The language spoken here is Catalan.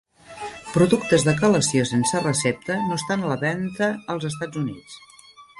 Productes de quelació sense recepta no estan a la venta als Estats Units.